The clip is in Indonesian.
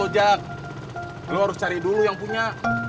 udah harus cari dulu yang punya